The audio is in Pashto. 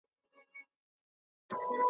زه او آس یو د یوه غوجل چارپایه .